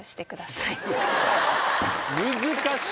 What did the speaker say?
難しい。